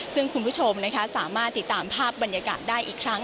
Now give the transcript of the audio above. ซึ่งคุณผู้ชมสามารถติดตามภาพบรรยากาศได้อีกครั้ง